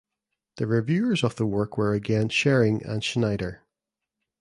The reviewers of the work were again Schering and Schneider.